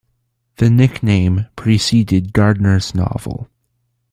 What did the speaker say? The nickname preceded Gardner's novel.